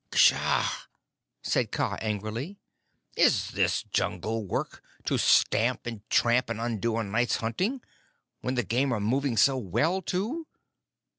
"Kssha!" said Kaa angrily. "Is this jungle work, to stamp and tramp and undo a night's hunting when the game are moving so well, too?"